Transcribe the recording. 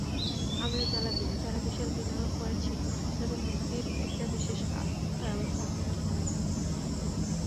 আমরা যারা বিশাল বিনিয়োগ করেছি, তাদের মুক্তির একটা ব্যবস্থা আপনারা করে দিন।